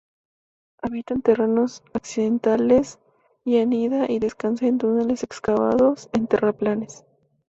Habita en terrenos accidentales y anida y descansa en túneles excavados en terraplenes.